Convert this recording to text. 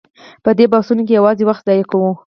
په دې بحثونو کې یوازې وخت ضایع کوو.